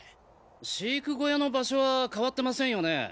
飼育小屋の場所は変わってませんよね？